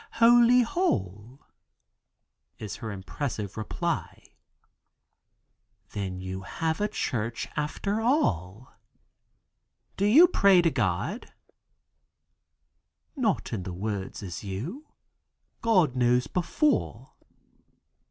"Holy Hall," is her impressive reply. "Then you have a church after all. Do you pray to God?" "Not in words as you. God knows before."